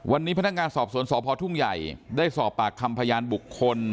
วันนี้พนักงานสอบสวนสพทุ่งใหญ่ได้สอบปากคำพยานบุคคล